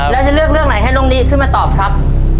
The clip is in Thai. แล้วจะเลือกเรื่องไหนให้น้องนิขึ้นมาตอบครับ